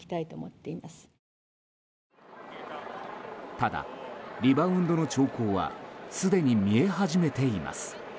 ただ、リバウンドの兆候はすでに見え始めています。